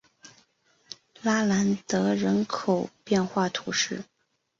拉兰德人口变化图示